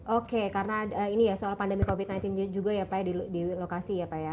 oke karena ini ya soal pandemi covid sembilan belas juga ya pak ya di lokasi ya pak ya